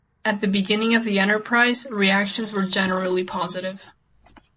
At the beginning of the enterprise, reactions were generally positive.